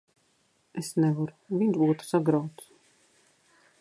Es nevaru. Viņš būtu sagrauts.